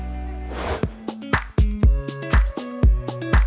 sayang canyon safing sampe pastinya kan kami yah